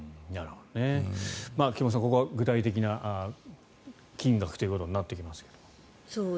菊間さん、ここは具体的な金額となっていきますが。